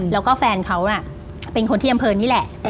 แล้วก็แฟนเขาน่ะเป็นคนที่อำเภอนี่แหละ